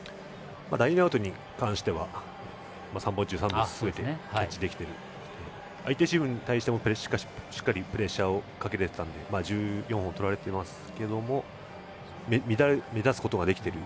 ラインアウトに関しては３本中、３本とすべてキャッチできたので相手チームに対しても、しっかりプレッシャーをかけれたので１４本とられていますけど乱すことができている。